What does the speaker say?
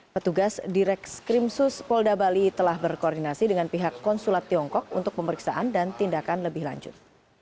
petugas direks krimsus polda bali telah berkoordinasi dengan pihak konsulat tiongkok untuk pemeriksaan dan tindakan lebih lanjut